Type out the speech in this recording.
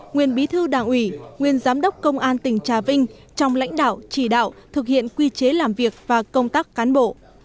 nguyên bí thư đảng ủy nguyên giám đốc công an tỉnh trà vinh trong lãnh đạo chỉ đạo thực hiện quy chế làm việc và công tác cán bộ